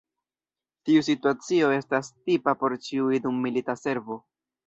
Tiu situacio estas tipa por ĉiuj dum milita servo.